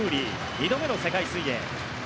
２度目の世界水泳。